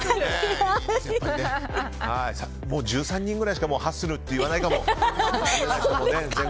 もう１３人ぐらいしかハッスルって言わないかも。